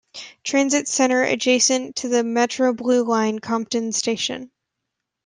Transit Center adjacent to the Metro Blue Line Compton Station.